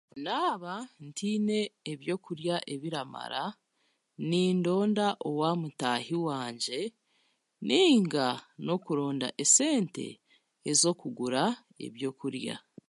Naaba ntaine eby'okurya ebiramara nindonda owa mutaahi wangye nainga n'okuronda esente ez'okugura ebyokurya